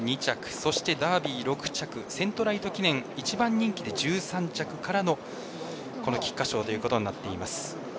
そして、ダービー６着セントライト記念１番人気で１３着からのこの菊花賞ということになっています。